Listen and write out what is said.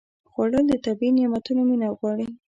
خوړل د طبیعي نعمتونو مینه غواړي